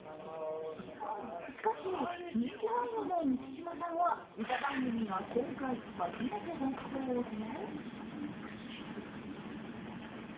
しかし、人気俳優の満島さんは歌番組が今回初めてだそうで。